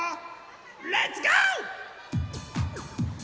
レッツゴー！